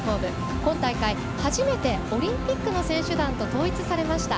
今大会、始めてオリンピックの選手団と統一されました。